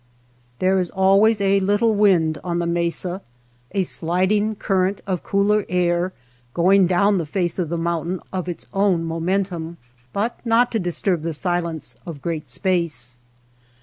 There is always a little wind on the mesa, a sliding current of cooler air going down the face of the mountain of its own momentum, but not to disturb the silence of great space.